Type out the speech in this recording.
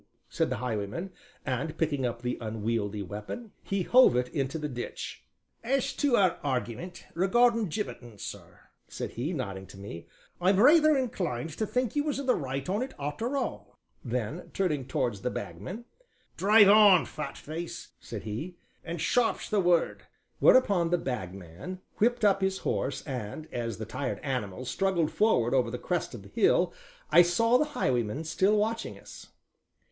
said the highwayman, and, picking up the unwieldy weapon, he hove it into the ditch. "As to our argyment regardin' gibbetin', sir," said he, nodding to me, "I'm rayther inclined to think you was in the right on it arter all." Then, turning towards the Bagman: "Drive on, fat face!" said he, "and sharp's the word." Whereupon the Bagman whipped up his horse and, as the tired animal struggled forward over the crest of the hill, I saw the highwayman still watching us.